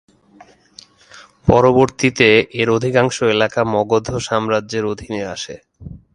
পরবর্তীতে এর অধিকাংশ এলাকা মগধ সাম্রাজ্যের অধীনে আসে।